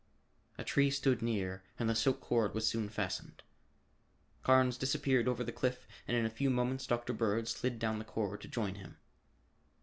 A tree stood near and the silk cord was soon fastened. Carnes disappeared over the cliff and in a few moments Dr. Bird slid down the cord to join him.